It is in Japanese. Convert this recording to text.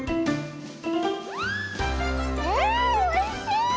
うんおいしい！